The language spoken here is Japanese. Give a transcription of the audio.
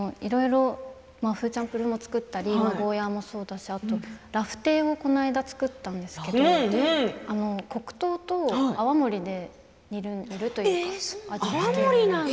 フーチャンプルーも作ったりゴーヤーもそうですしラフテーをこの間、作ったんですけれども黒糖と泡盛で煮るというか。